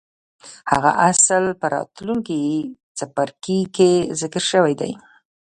هغه اصل په راتلونکي څپرکي کې ذکر شوی دی.